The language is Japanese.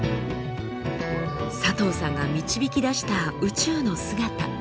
佐藤さんが導き出した宇宙の姿。